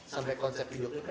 sampe konsep hidupnya